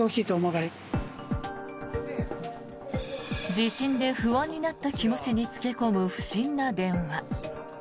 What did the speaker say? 地震で不安になった気持ちに付け込む不審な電話。